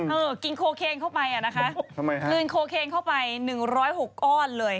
กินโคเคนเข้าไปอ่ะนะคะลืนโคเคนเข้าไป๑๐๖ก้อนเลย